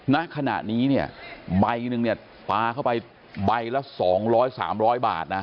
นักขณะนี้เนี่ยใบหนึ่งเนี่ยปลาเข้าไปใบละสองร้อยสามร้อยบาทนะ